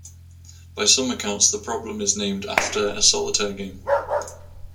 By some accounts, the problem is named after a solitaire game.